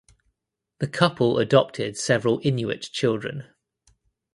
The couple adopted several Inuit children.